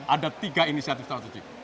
ada tiga inisiatif strategik